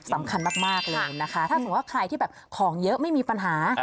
สำคัญมากเลยนะคะถ้าสมมุติว่าใครที่แบบของเยอะไม่มีปัญหา